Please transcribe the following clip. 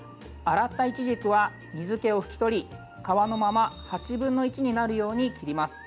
洗ったいちじくは水気を拭き取り皮のまま８分の１になるように切ります。